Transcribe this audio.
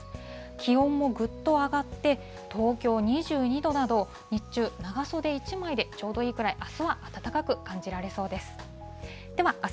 気温もぐっと上がって、東京２２度など、日中、長袖１枚でちょうどいいくらい、あすは暖かく感じられそうです。